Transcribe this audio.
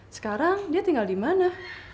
sekarang dia tinggal di mana